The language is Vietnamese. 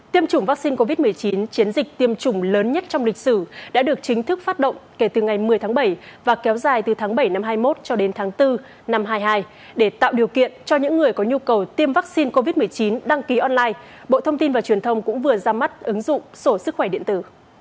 tiêm chủng vaccine covid một mươi chín chiến dịch tiêm chủng lớn nhất trong lịch sử đã được chính thức phát động kể từ ngày một mươi tháng bảy và kéo dài từ tháng bảy năm hai nghìn hai mươi một cho đến tháng bốn năm hai nghìn hai mươi hai để tạo điều kiện cho những người có nhu cầu tiêm vaccine covid một mươi chín đăng ký online bộ thông tin và truyền thông cũng vừa ra mắt ứng dụng sổ sức khỏe điện tử